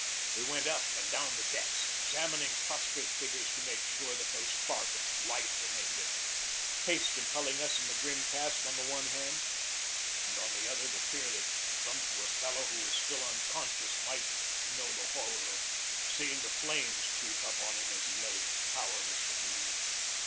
We went up and down the decks, examining prostrate figures to make sure that no spark of life remained in them, haste impelling us in the grim task on the one hand, and, on the other, the fear that some poor fellow who was still unconscious might know the horror of seeing the flames creep up on him as he lay power less to move.